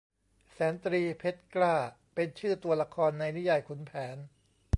แสนตรีเพชรกล้า เป็นชื่อตัวละครในนิยายขุนแผน